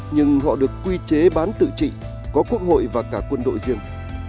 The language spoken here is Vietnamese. nhưng họ được quy chế bán tự trị có quốc hội và cả quân đội riêng